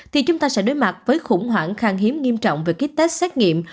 thì chúng ta sẽ đối mặt với khủng hoảng khang hiếm nghiêm trọng về kích tết xét nghiệm